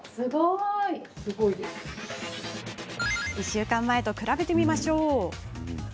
１週間前と比べてみましょう。